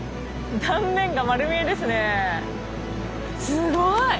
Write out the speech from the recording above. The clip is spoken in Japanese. すごい！